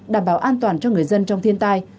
đảm bảo an toàn cho người dân trong thiên tai